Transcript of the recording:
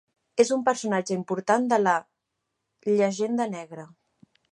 És un personatge important de la "llegenda negra".